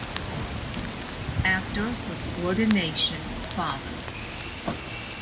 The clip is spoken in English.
After his ordination Fr.